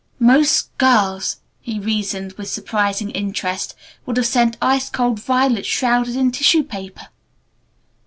"Most girls," he reasoned with surprising interest, "would have sent ice cold violets shrouded in tissue paper.